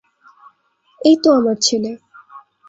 এইতো আমার ছেলে।